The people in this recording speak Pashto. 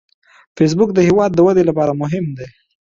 فېسبوک د هیواد د ودې لپاره مهم دی